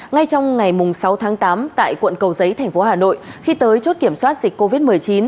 ngay trong ngày sáu tháng tám tại quận cầu giấy thành phố hà nội khi tới chốt kiểm soát dịch covid một mươi chín